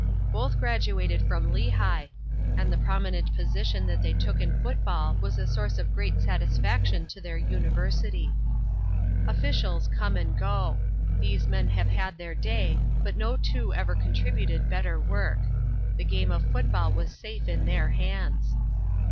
Both graduated from Lehigh, and the prominent position that they took in football was a source of great satisfaction to their university. Officials come and go. These men have had their day, but no two ever contributed better work. The game of Football was safe in their hands.